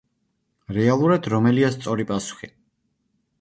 რეალურად რომელია სწორი პასუხი?